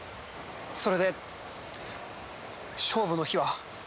それで勝負の日は？